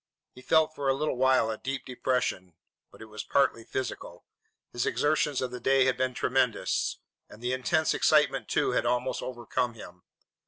He felt for a little while a deep depression. But it was partly physical. His exertions of the day had been tremendous, and the intense excitement, too, had almost overcome him.